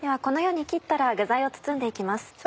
このように切ったら具材を包んで行きます。